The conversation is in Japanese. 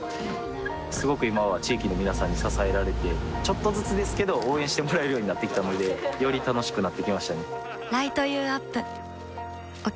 すごく今は地域の皆さんに支えられてちょっとずつですけど応援してもらえるようになってきたのでより楽しくなってきましたね